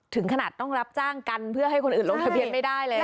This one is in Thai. ถึงขนาดต้องรับจ้างกันเพื่อให้คนอื่นลงทะเบียนไม่ได้แล้ว